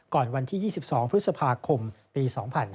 วันที่๒๒พฤษภาคมปี๒๕๕๙